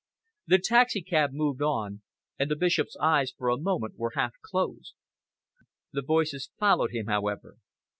The taxicab moved on, and the Bishop's eyes for a moment were half closed. The voices followed him, however.